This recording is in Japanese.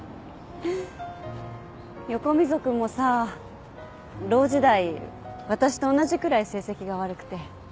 横溝君もさロー時代私と同じくらい成績が悪くて。